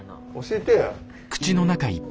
教えてや。